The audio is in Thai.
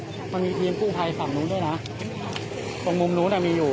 แล้วมีพี่เพียมผู้ไพสั่งนู้นด้วยน่ะมุมนู้นอ่ะมีอยู่